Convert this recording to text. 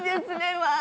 まあ。